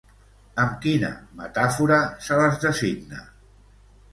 Amb quina metàfora se les designa?